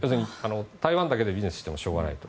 台湾だけでビジネスをしてもしょうがないと。